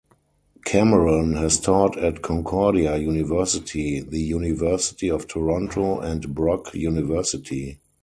Cameron has taught at Concordia University, the University of Toronto and Brock University.